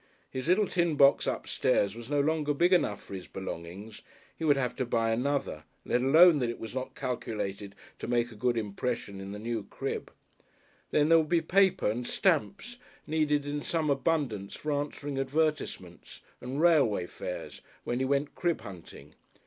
His little tin box upstairs was no longer big enough for his belongings; he would have to buy another, let alone that it was not calculated to make a good impression in a new "crib." Then there would be paper and stamps needed in some abundance for answering advertisements and railway fares when he went "crib hunting."